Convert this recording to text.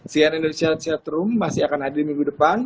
cn indonesia chat room masih akan hadir minggu depan